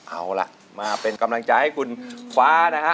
เอาล่ะมาเป็นกำลังใจให้คุณฟ้านะฮะ